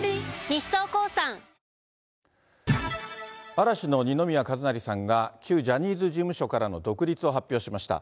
嵐の二宮和也さんが、旧ジャニーズ事務所からの独立を発表しました。